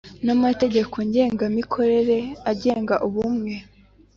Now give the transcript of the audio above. n amategeko ngengamikorere agenga Ubumwe